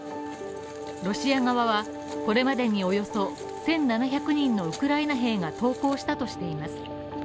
ロシア側はこれまでにおよそ１７００人のウクライナ兵が投降したとしています。